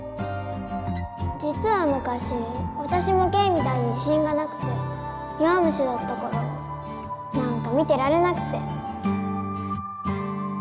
じつはむかしわたしもケイみたいに自信がなくて弱虫だったからなんか見てられなくて。